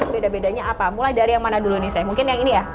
bumbu bumbu atau bahan bahan apa